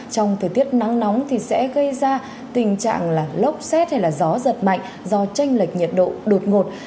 trong thời tiết nắng nóng thì sẽ gây ra tình trạng lốc xét hay là gió giật mạnh do tranh lệch nhiệt độ đột ngột